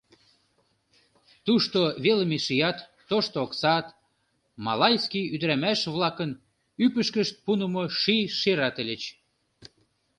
Тушто велыме шият, тошто оксат, малайский ӱдырамаш-влакын ӱпышкышт пунымо ший шерат ыльыч.